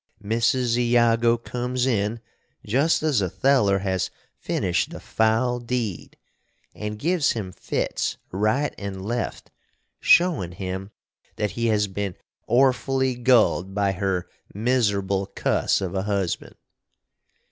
Mrs. Iago comes in just as Otheller has finished the fowl deed & givs him fits right & left, showin him that he has been orfully gulled by her miserble cuss of a husband.